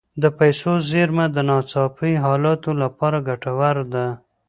د پیسو زیرمه د ناڅاپي حالاتو لپاره ګټوره ده.